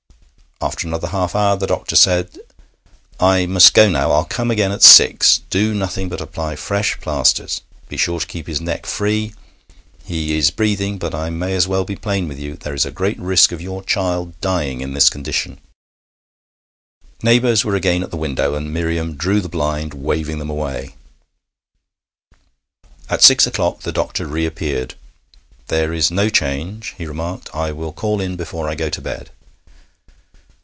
After another half hour the doctor said: 'I must go now; I will come again at six. Do nothing but apply fresh plasters. Be sure to keep his neck free. He is breathing, but I may as well be plain with you there is a great risk of your child dying in this condition.' Neighbours were again at the window, and Miriam drew the blind, waving them away. At six o'clock the doctor reappeared. 'There is no change,' he remarked. 'I will call in before I go to bed.'